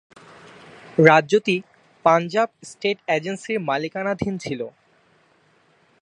রাজ্যটি পাঞ্জাব স্টেট এজেন্সির মালিকানাধীন ছিল।